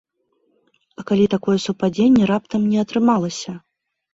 А калі такое супадзенне раптам не атрымалася?